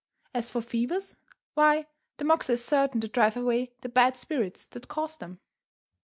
As for fevers, why, the moxa is certain to drive away the bad spirits that cause them.